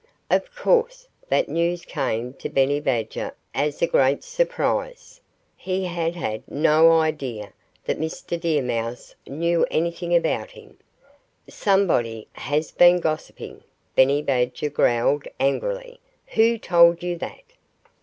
Of course, that news came to Benny Badger as a great surprise. He had had no idea that Mr. Deer Mouse knew anything about him. "Somebody has been gossiping!" Benny Badger growled angrily. "Who told you that?"